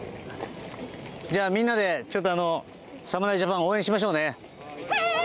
じゃあみんなで侍ジャパン応援しましょうね。